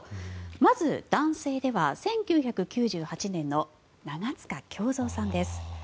まず、男性では１９９８年の長塚京三さんです。